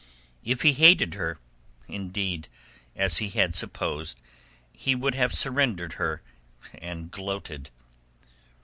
If he hated her, indeed, as he had supposed, he would have surrendered her and gloated.